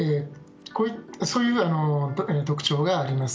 そういう特徴があります。